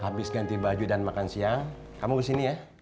habis ganti baju dan makan siang kamu kesini ya